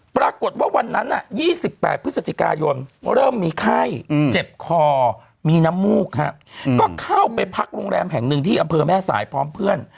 วันนั้น๒๘พฤศจิกายนเริ่มมีไข้เจ็บคอมีน้ำมูกก็เข้าไปพักโรงแรมแห่งหนึ่งที่อำเภอแม่สายพร้อมเพื่อน